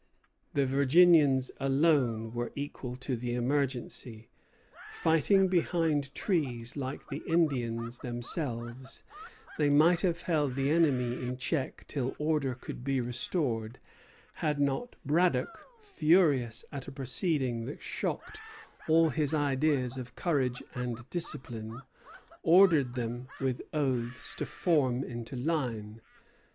The Virginians alone were equal to the emergency. Fighting behind trees like the Indians themselves, they might have held the enemy in check till order could be restored, had not Braddock, furious at a proceeding that shocked all his ideas of courage and discipline, ordered them, with oaths, to form into line.